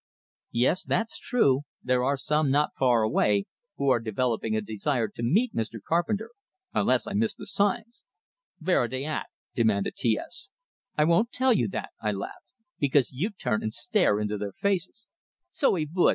"Yes, that's true. There are some not far away, who are developing a desire to meet Mr. Carpenter, unless I miss the signs." "Vere are dey at?" demanded T S. "I won't tell you that," I laughed, "because you'd turn and stare into their faces." "So he vould!"